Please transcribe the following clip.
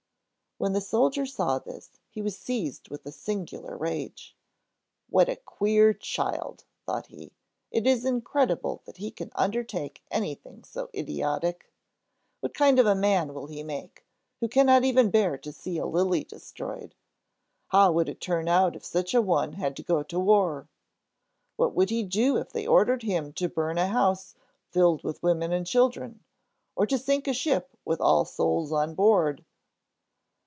When the soldier saw this, he was seized with a singular rage. "What a queer child!" thought he. "It is incredible that he can undertake anything so idiotic. What kind of a man will he make, who cannot even bear to see a lily destroyed? How would it turn out if such a one had to go to war? What would he do if they ordered him to burn a house filled with women and children, or to sink a ship with all souls on board?"